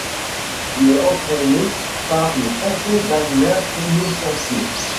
Il est entraîné par le Français Damien Inocencio.